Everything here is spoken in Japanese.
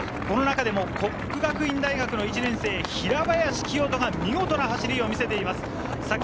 その中でも國學院大學の１年生・平林清澄が見事な走りを見せています。